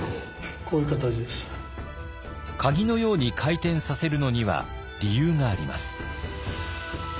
鍵のように回転させるのには理由があります。